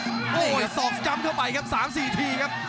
โอ้โหสอกจำเข้าไปครับ๓๔ทีครับ